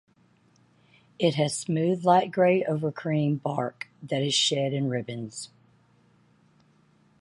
It has smooth light grey over cream bark that is shed in ribbons.